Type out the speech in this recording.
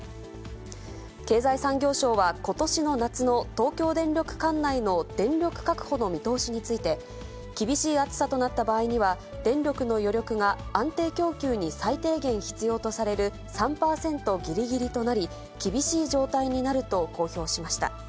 経済産業省は、ことしの夏の東京電力管内の電力確保の見通しについて、厳しい暑さとなった場合には、電力の余力が安定供給に最低限必要とされる３％ぎりぎりとなり、厳しい状態になると公表しました。